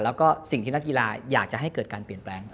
แล้วก็สิ่งที่นักกีฬาอยากจะให้เกิดการเปลี่ยนแปลง